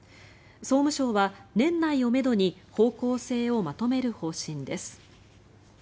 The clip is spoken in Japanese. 総務省は年内をめどに方向性をまとめる方針です。